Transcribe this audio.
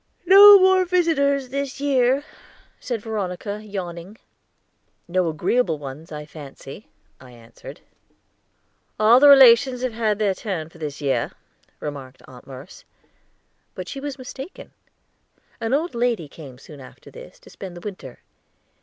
"No more visitors this year," said Veronica, yawning. "No agreeable ones, I fancy," I answered. "All the relations have had their turn for this year," remarked Aunt Merce. But she was mistaken; an old lady came soon after this to spend the winter.